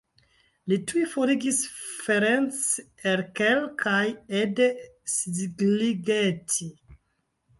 Li tuj forigis Ferenc Erkel kaj Ede Szigligeti.